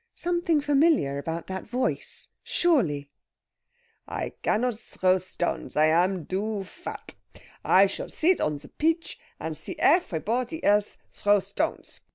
Something familiar about that voice, surely! "I gannod throw stoanss. I am too vat. I shall sit on the peach and see effrypotty else throw stoanss.